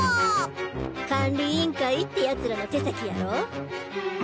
管理委員会って奴らの手先やろ？